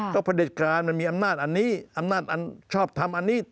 ก็พระเด็จการมันมีอำนาจอันนี้อำนาจอันชอบทำอันนี้